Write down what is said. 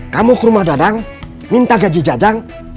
kamu ke rumah dadang minta gaji dadang